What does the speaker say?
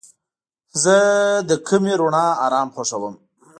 زه د کمې رڼا آرام خوښوم.